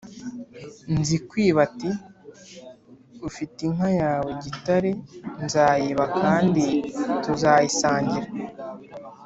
Nzikwiba ati: "Ufite inka yawe Gitare nzayiba kandi tuzayisangira